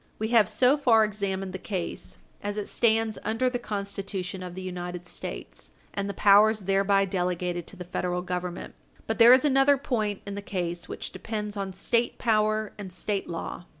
We have so far examined the case, as it stands under the Constitution of the United States, and the powers thereby delegated to the Federal Government. But there is another point in the case which depends on State power and State law.